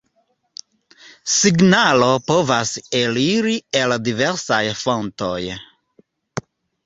Signaloj povas eliri el diversaj fontoj.